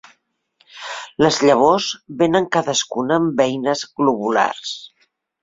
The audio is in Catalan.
Les llavors vénen cadascuna en beines globulars.